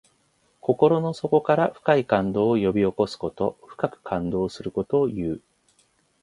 心の底から深い感動を呼び起こすこと。深く感動することをいう。